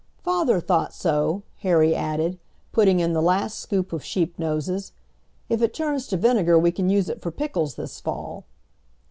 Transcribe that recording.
"Father thought so," Harry added, putting in the last scoop of sheepnoses. "If it turns to vinegar we can use it for pickles this fall."